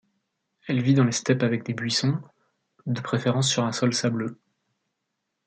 Elle vit dans les steppes avec des buissons, de préférence sur un sol sableux.